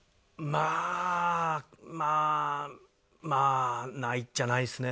まあまあまあないっちゃないですね